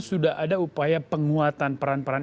sudah ada upaya penguatan peran peran